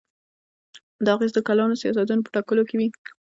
دا اغېز د کلانو سیاستونو په ټاکلو کې وي.